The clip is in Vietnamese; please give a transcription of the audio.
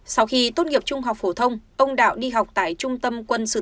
sau khi tốt nghiệp trung học phổ thông ông đạo đi học tại trung tâm